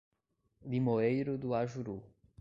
Limoeiro do Ajuru